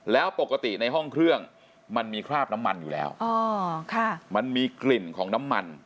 แล้วปกติในห้องเครื่องมันมีคราบน้ำมันอยู่แล้วมันมีกลิ่นของน้ำมัน